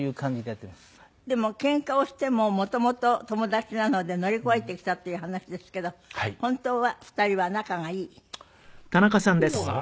でもけんかをしてももともと友達なので乗り越えてきたっていう話ですけど本当は２人は仲がいい？どうなんですかね。